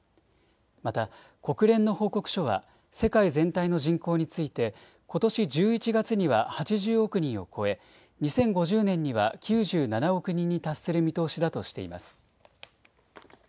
また国連の報告書は世界全体の人口について、ことし１１月には８０億人を超え、２０５０年には９７億人に達する見通しだとしています。